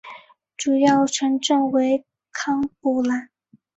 主要城镇为康布雷。